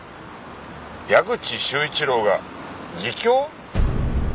矢口秀一郎が自供？